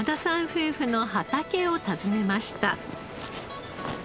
夫婦の畑を訪ねました。